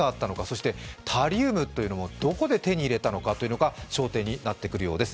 そしてタリウムというものをどこで手に入れたのかというのが焦点になってくるようです。